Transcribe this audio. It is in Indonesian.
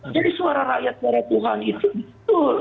jadi suara rakyat suara tuhan itu betul